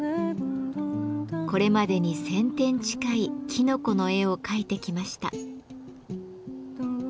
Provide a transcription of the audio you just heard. これまでに１，０００点近いきのこの絵を描いてきました。